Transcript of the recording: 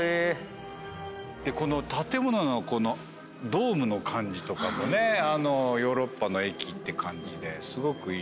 この建物のドームの感じとかもねヨーロッパの駅って感じですごくいいですよね。